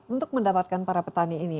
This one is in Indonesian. untuk mendapatkan para petani ini